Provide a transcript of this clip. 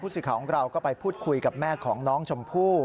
สื่อของเราก็ไปพูดคุยกับแม่ของน้องชมพู่